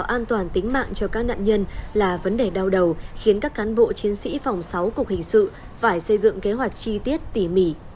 bảo đảm an toàn tính mạng cho các nạn nhân là vấn đề đau đầu khiến các cán bộ chiến sĩ phòng sáu cục hình sự phải xây dựng kế hoạch chi tiết tỉ mỉ